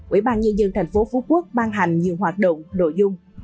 ủy ban nhân dân tp phú quốc ban hành nhiều hoạt động nội dung